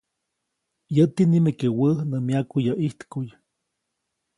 Yäti nimeke wä nä myaku yäʼ ʼijtkuʼy.